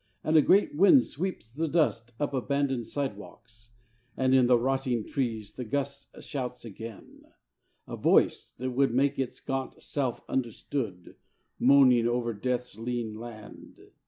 And a great wind sweeps the dust Up abandoned sidewalks; and, In the rotting trees, the gust Shouts again a voice that would Make its gaunt self understood Moaning over death's lean land.